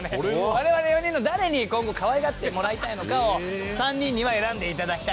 我々４人の誰に今後かわいがってもらいたいのかを３人には選んで頂きたいなと。